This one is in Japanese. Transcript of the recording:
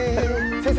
先生